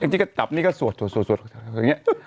ที่ก็จับนี่ก็สวดอย่างนี้